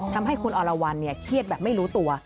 ทำให้คุณอรวรรณเครียดแบบไม่รู้ตัว